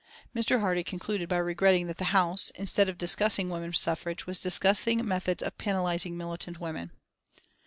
Mr. Hardie concluded by regretting that the House, instead of discussing Woman Suffrage, was discussing methods of penalising militant women.